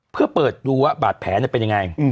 เพื่อเปิดดูว่าบาดแผลเป็นยังไง